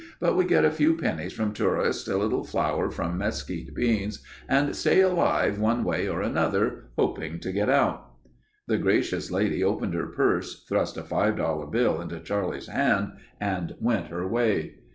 "But we get a few pennies from tourists, a little flour from mesquite beans, and stay alive one way or another, hoping to get out." The gracious lady opened her purse, thrust a five dollar bill into Charlie's hand and went her way.